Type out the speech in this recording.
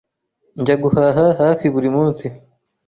Njya guhaha hafi buri munsi.